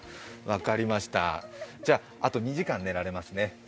分かりました、じゃ、あと２時間寝られますね。